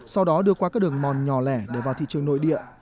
sau đó đưa qua các đường mòn nhỏ lẻ để vào thị trường nội địa